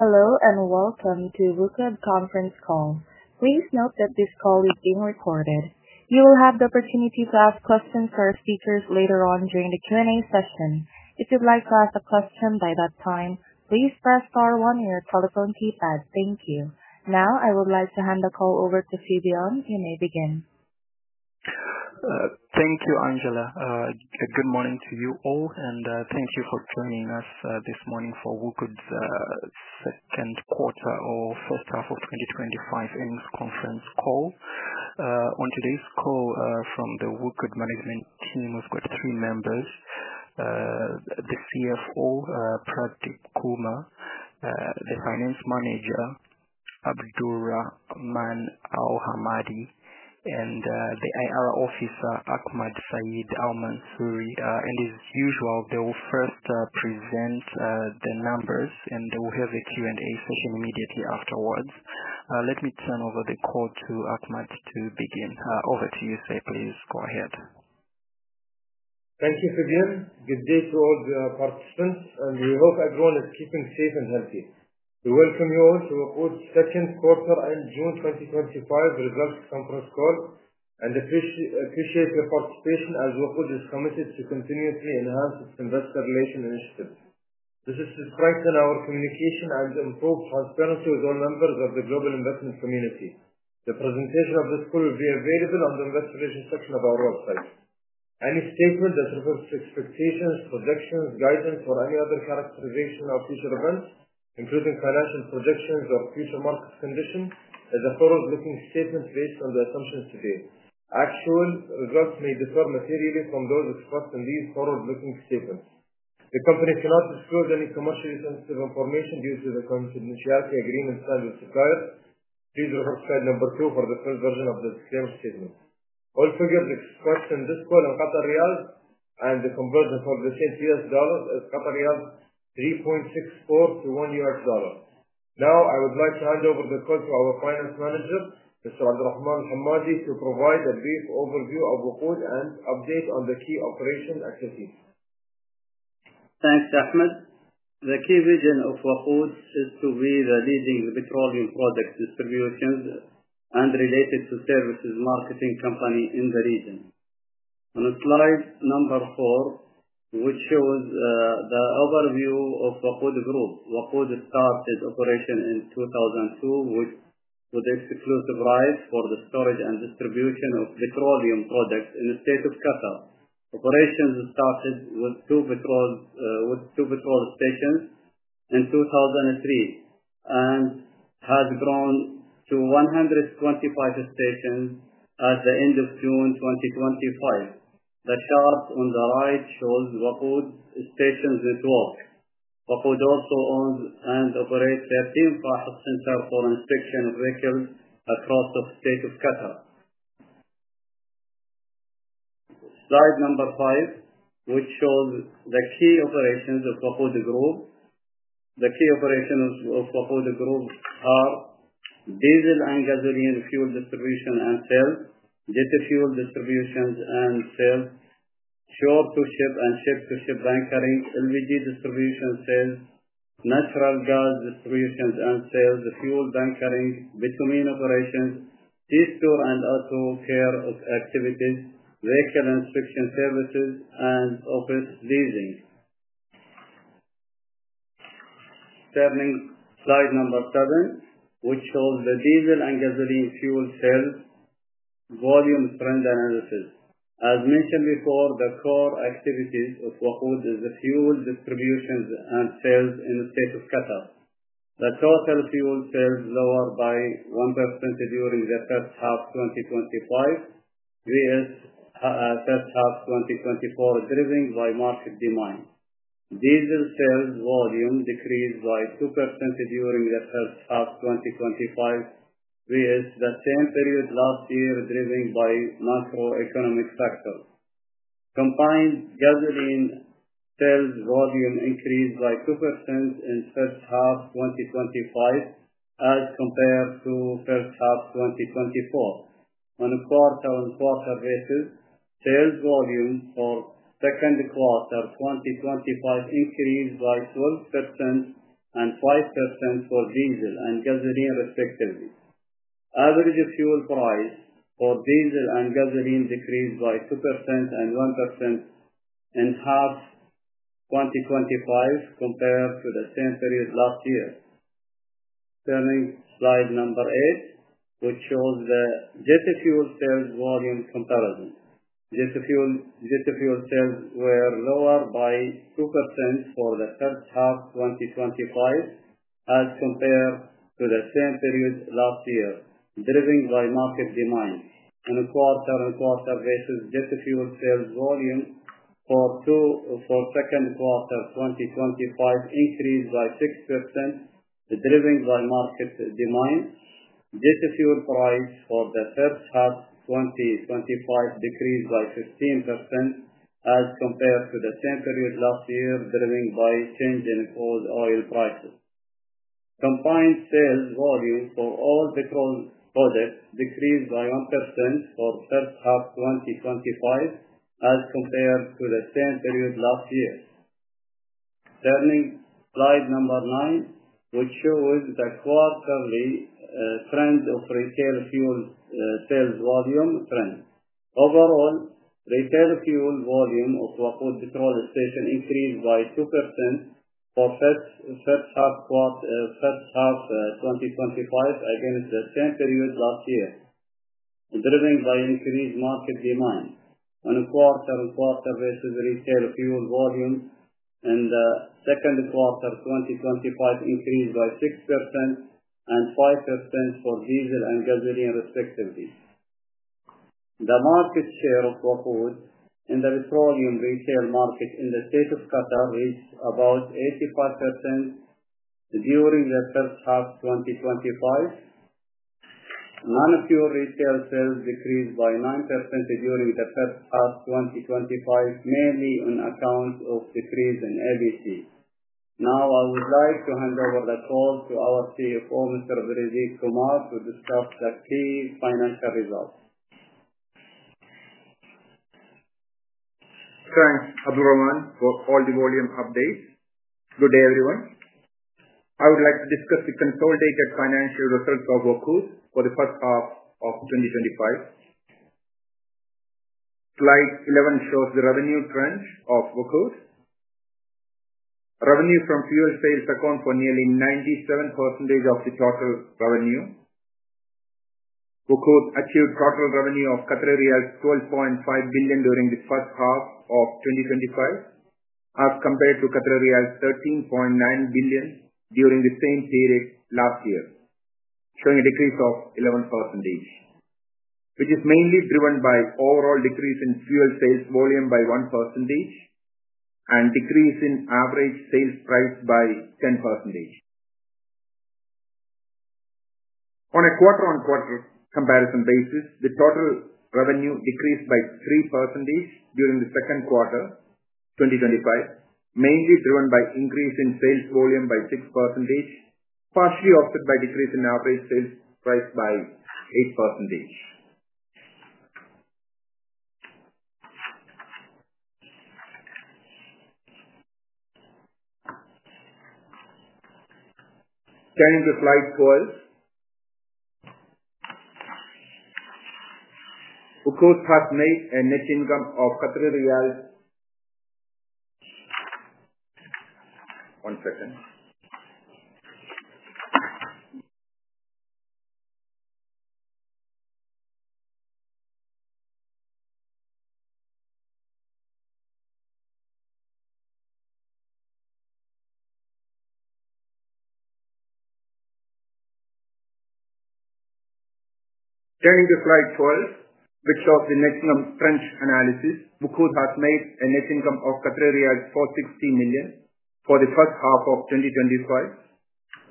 Hello and welcome to WOQOD conference call. Please note that this call is being recorded. You will have the opportunity to ask questions for our speakers later on during the Q and A session. If you'd like to ask a question by that time, please press star one on your telephone keypad. Thank you. Now I would like to hand the call over to Angela. You may begin. Thank you, Angela. Good morning to you all and thank you for joining us this morning for WOQOD's second quarter or first half of 2025 earnings conference call. On today's call from the WOQOD management team we've got three, the CFO Pradeep Kumar, the Finance Manager Abdul Rahman Al Hammadi, and the IR Officer Ahmed Saeed Al Mansoori. As usual, they will first present the numbers and they will have a Q&A session immediately afterwards. Let me turn over to Ahmed to begin. Over to you. Please go ahead. Thank you, Angela. Good day to all the participants and we hope everyone is keeping safe and healthy. We welcome you all to WOQOD's second quarter and June 2025 results conference call and appreciate your participation as WOQOD is committed to continuously enhance its investor relations initiatives. This is to strengthen our communication and improve transparency with all members of the global investment community. The presentation of this call will be available on the investor relations section of our website. Any statement that refers to expectations, projections, guidance, or any other characterization of future events including financial projections or future market conditions is a forward-looking statement based on the assumptions today. Actual results may differ materially from those expressed in these forward-looking statements. The company cannot disclose any commercially sensitive information due to the confidentiality agreement filed with the clarification. Please refer to number two for the full version of the disclaimer statement. All figures expressed in this call are in Qatari Riyal and the conversion for the same to US dollars is 3.64 to $1. Now I would like to hand over the call to our Finance Manager, Abdul Rahman Al Hammadi, to provide a brief overview of WOQOD and update on the key operation activities. Thanks Ahmed. The key vision of WOQOD is to be the leading petroleum product distribution and related services marketing company in the region. On slide number four, which shows the overview of WOQOD Group. WOQOD started operation in 2002 with exclusive rights for the storage and distribution of petroleum products in the state of Qatar. Operations started with two petrol stations in 2003 and has grown to 125 stations at the end of June 2025. The chart on the right shows WOQOD stations network. WOQOD also owns and operates a FAHES center for inspection of vehicles across the state of Qatar. Slide number five, which shows the key operations of WOQOD Group, the key operations of WOQOD Group: diesel and gasoline fuel distribution and sales, jet fuel distribution and sales, ship to ship and ship to shore bunkering, LPG distribution and sales, natural gas distribution and sales, fuel bunkering, bitumen operations, store and auto care activities, vehicle inspection services, and office leasing. Turning to slide number seven, which shows the diesel and gasoline fuel sales volume trend analysis. As mentioned before, the core activities of WOQOD is the fuel distribution and sales in the state of Qatar. The total fuel sales lowered by 1% during the first half 2025 versus first half 2024, driven by market demand. Diesel sales volume decreased by 2% during the first half 2025 versus the same period last year, driven by macroeconomic factors combined. Gasoline sales volume increased by 2% in first half 2025 as compared to first half 2024. On a quarter on quarter basis, sales volumes for second quarter 2025 increased by 12% and 5% for diesel and gasoline respectively. Average fuel price for diesel and gasoline decreased by 2% and 1% in first half 2025 compared to the same period last year. Turning to slide number eight, which shows the jet fuel sales volume comparison. Diesel fuel sales were lower by 2% for the first half 2025 as compared to the same period last year, driven by market demand. On a quarter-on-quarter basis, jet fuel sales volume for second quarter 2025 increased by 6%, driven by market demand. Jet fuel price for the first half 2025 decreased by 15% as compared to the same period last year, driven by change in crude oil price trends. Combined sales volume for all the products decreased by 1% for first half 2025 as compared to the same period last year. Turning to slide number nine, which shows the quarterly trend of retail fuel sales volume trend. Overall retail fuel volume of WOQOD petrol station increased by 2% for first half 2025 against the same period last year, driven by increased market demand. On a quarter-on-quarter basis, retail fuel volumes in the second quarter 2025 increased by 6% and 5% for diesel and gasoline, respectively. The market share of WOQOD in the petroleum retail market in the State of Qatar reached about 85% during the first half 2025. Non-fuel retail sales decreased by 9% during the first half 2025, mainly on account of decrease in LPG. Now I would like to hand over the call to our CFO, Pradeep Kumar, to discuss the key financial results. Rahman Al Hammadi for all the volume updates. Good day everyone. I would like to discuss the consolidated financial results of WOQOD for the first half of 2025. Slide 11 shows the revenue trend of WOQOD. Revenue from fuel sales account for nearly 97% of the total revenue. WOQOD achieved total revenue of 12.5 billion during the first half of 2025 as compared to 13.9 billion during the same period last year, showing a decrease of 11% which is mainly driven by overall decrease in fuel sales volume by 1% and decrease in average sales price by 10% on a quarter. On quarter comparison basis, the total revenue decreased by 3% during the second quarter 2025 mainly driven by increase in sales volume by 6%, partially offset. By decrease in average sales price by 8%. 10 in the flight coils. WOQOD has made a net income of Qatari riyal One second. Turning to slide 12, which shows the net income trend analysis, WOQOD has made a net income of 460 million for the first half of 2025,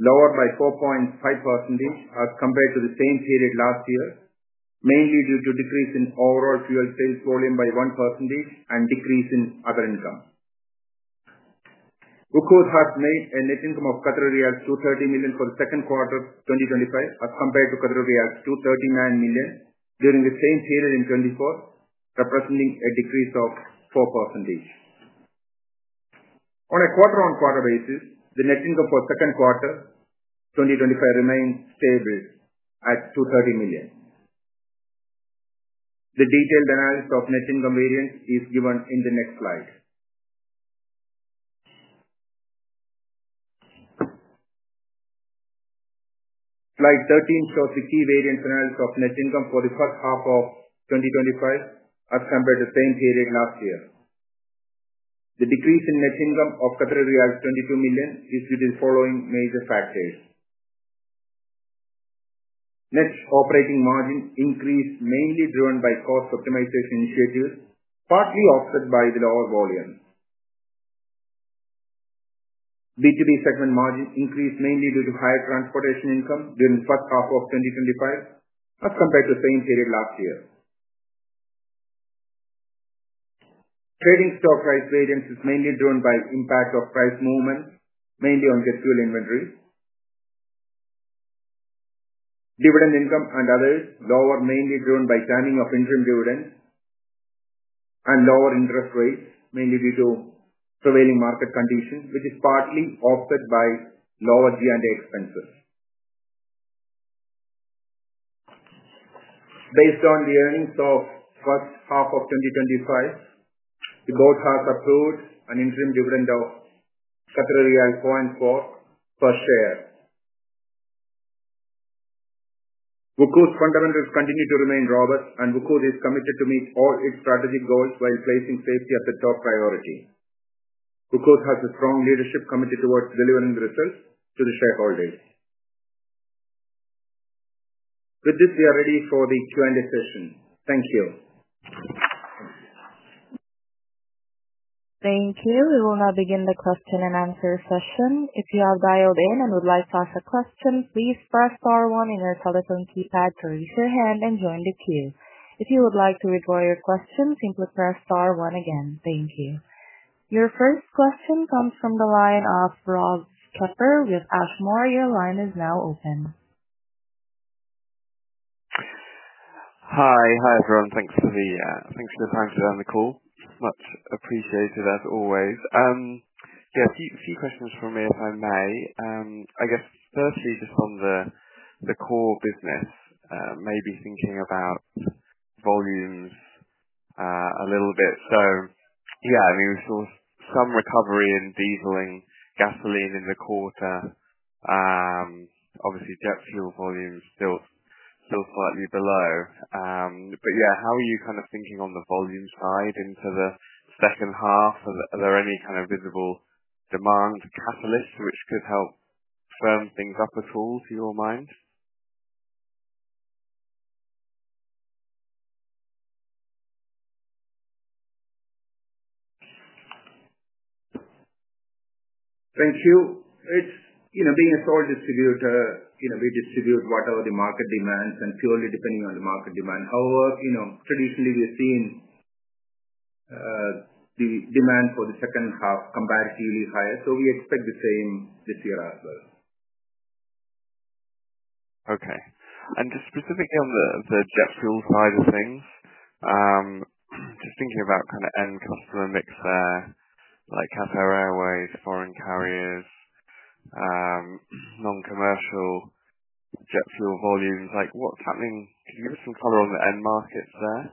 lower by 4.5% as compared to the same period last year, mainly due to decrease in overall fuel sales volume by 1% and decrease in other income. WOQOD has made a net income of 230 million for the second quarter 2025 as compared to 239 million during the same period in 2024, representing a decrease of 4% on a quarter. On quarter basis, the net income for second quarter 2025 remained stable at 230 million. The detailed analysis of net income variance is given in the next slide. Slide 13 shows the key variance analysis of net income for the first half of 2025 as compared to the same period last year. The decrease in net income of 22 million is due to the following major factors. Net operating margin increased mainly driven by cost optimization initiatives, partly offset by the. Lower volume. B2B segment margin increased mainly due to higher transportation income during the first half of 2025 as compared to the same period last year. Trading stock price variance is mainly driven by impact of price movements mainly on scheduled inventories, dividend income, and others lower, mainly driven by timing of interim dividends and lower interest rates, mainly due to prevailing market conditions, which is partly offset by lower G&A expenses. Based on the earnings of first half of 2025, the board has approved an interim dividend of Qatari riyal per share. WOQOD's fundamentals continue to remain robust and WOQOD is committed to meet all its strategic goals while placing safety at the top priority. WOQOD has a strong leadership committed towards delivering the results to the shareholders. With this, we are ready for the Q and A session. Thank you. Thank you. We will now begin the question and answer session. If you have dialed in and would like to ask a question, please press Star one on your telephone keypad to raise your hand and join the queue. If you would like to withdraw your question, simply press Star one again. Thank you. Your first question comes from the line of Robker. We have asked more. Your line is now open. Hi everyone. Thanks for the time today on the call, much appreciated as always. A few questions for me if I may. I guess firstly just on the core business, maybe thinking about volumes a little bit. We saw some recovery in diesel and gasoline in the quarter. Obviously jet fuel volume still slightly below, but how are you kind of thinking on the volume side into the second half? Are there any kind of visible demand catalysts which could help firm things up at all, to your mind? Thank you. It's being a sole distributor. We distribute whatever the market demands, purely depending on the market demand. Traditionally we've seen. The demand for the second half is comparatively higher. We expect the same this year as well. Okay. Just specifically on the jet fuel side of things, just thinking about kind of end customer mix there like Cathay Airways, foreign carriers, non commercial jet fuel volumes, what's happening? Can you give us some color on the end markets there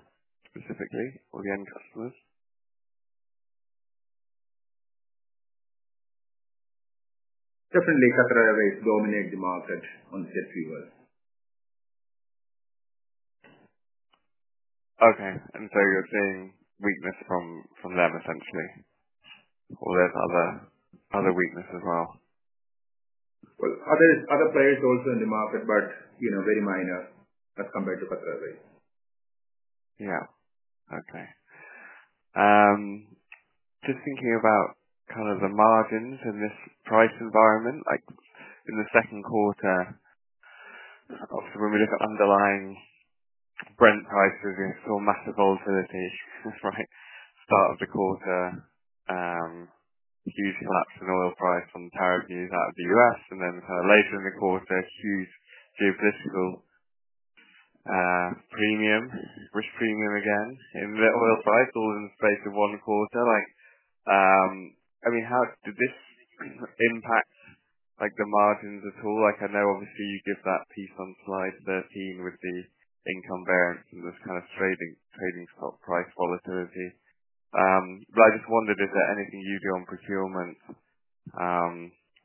specifically for the end customers? Definitely. WOQOD always dominate the market on fuel wells. Okay. You're seeing weakness from them, essentially all those other weakness as well. Other players also in the market. It is very minor as compared to WOQOD. Yeah. Okay. Just thinking about kind of the margins in this price environment. Like in the second quarter, when we look at underlying Brent prices, we saw massive volatility at the start of the quarter, huge collapse in oil price on tariff use out of the U.S., and then later in the quarter, huge geopolitical premium risk. Premium again in the oil price, all in the space of one quarter. How did this impact like the margins at all? Like I know obviously you give that piece on slide 13 with the income variance and this kind of trading stock price volatility. I just wondered, is there anything you do on procurement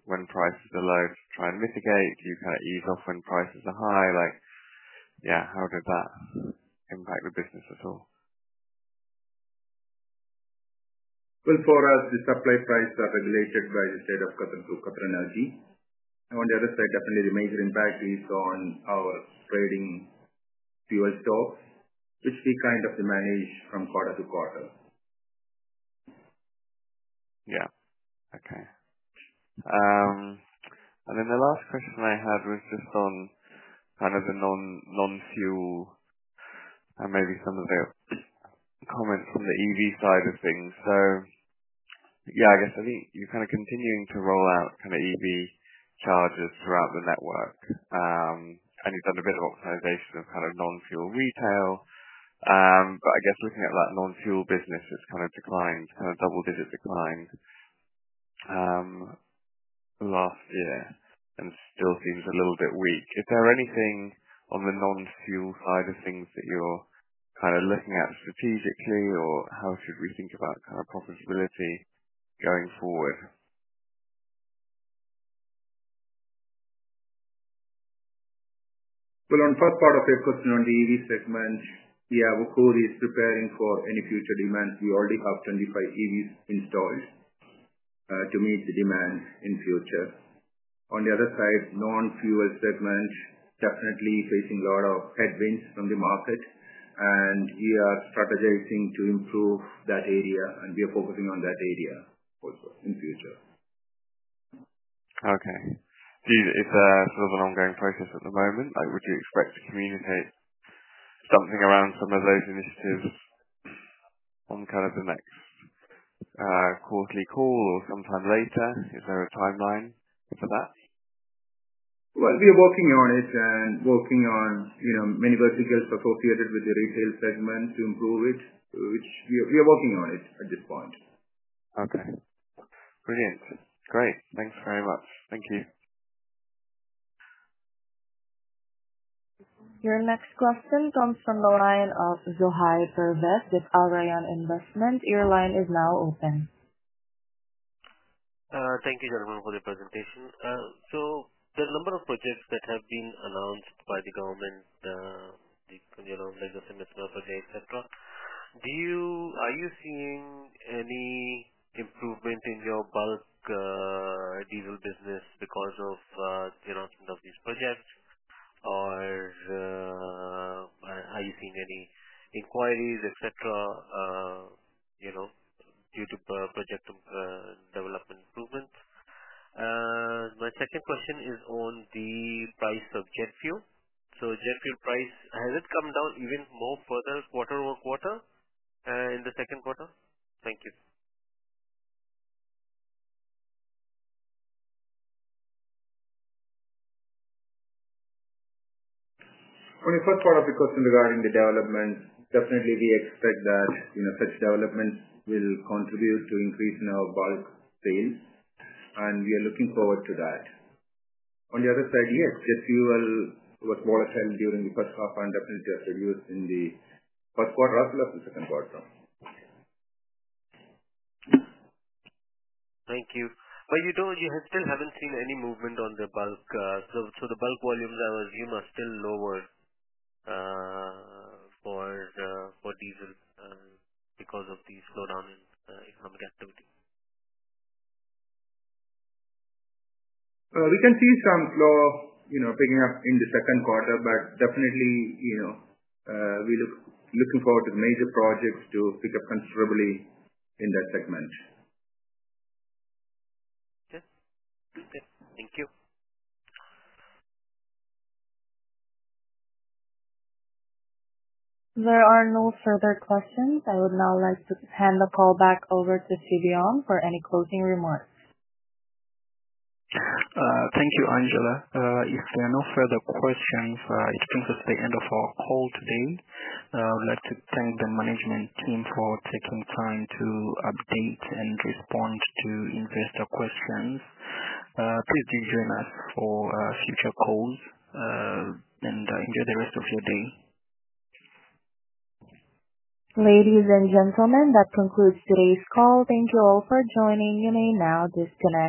when prices are low to try and mitigate? Do you kind of ease off when prices are high? How did that impact the business at all? For us, the supply prices are. Regulated by the state of Qatar through Qatar Energy. On the other side, definitely the major impact is on our trading fuel stocks, which we kind of manage from quarter-to-quarter. Okay. The last question I had was just on the non fuel and maybe some of the comments from the EV side of things. I think you're continuing to roll out EV chargers throughout the network and you've done a bit of optimization of non fuel retail. Looking at that non fuel business, it's declined, double digit declined last year and still seems a little bit weak. Is there anything on the non fuel side of things that you're looking at strategically or how should we think about profitability going forward? On first part of your question. On the EV segment, yeah, WOQOD is preparing for any future demands. We already have 25 EV chargers installed to meet the demand in future. On the other side, non-fuel segment definitely facing a lot of headwinds from the market, and we are strategizing to improve that area and we are focusing on that area also in future. Okay. It's an ongoing process at the moment. Would you expect to communicate something around some of those initiatives on the next quarterly call or sometime later? Is there a timeline for that? We are working on it. Working on many verticals associated with the retail segment to improve it, which we are working on at this point. Okay, brilliant. Great. Thanks very much. Thank you. Your next question comes from the line of Zohai Pervet with Arayan Investment. The line is now open. Thank you gentlemen for the presentation. The number of projects that have been announced by the government, legacy mismatch, etc. Are you seeing any improvement in your bulk diesel business because of the announcement of these projects, or are you seeing any inquiries, etc., due to project development improvement? My second question is on the price of jet fuel. Has the jet fuel price come down even more quarter over quarter in the second quarter? Thank you. On the first part of the question. Regarding the development, definitely we expect that such developments will contribute to increasing our bulk sales, and we are looking forward to that. On the other side, yes, the fuel. Was volatile during the first half and definitely has reduced in the first quarter as well as the second quarter. Thank you. You still haven't seen any movement on the bulk. The bulk volumes, I assume, are still lower for diesel because of the slowdown in economic activity. We can see some flow picking up in the second quarter, but definitely we can. Looking forward to major projects to pick up considerably in that segment. There are no further questions. I would now like to hand the call back over to Sifan Jossaman Maudid for any closing remarks. Thank you, Angela. If there are no further questions, it brings us to the end of our call today. I would like to thank the management team for taking time to update and respond to investor questions. Please do join us for future calls and enjoy the rest of your day. Ladies and gentlemen, that concludes today's call. Thank you all for joining. You may now disconnect.